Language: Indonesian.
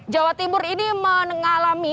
jawa timur ini mengalami